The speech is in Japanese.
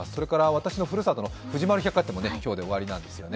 私のふるさとの藤丸百貨店も今日で終わりなんですよね。